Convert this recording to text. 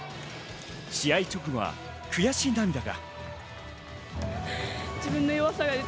試合直後は悔し涙が。